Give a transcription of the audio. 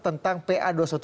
tentang pa dua ratus dua belas